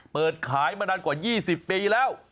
เปิดขายมานานกว่า๒๐ปีแล้ว